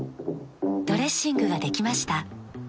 ドレッシングができました。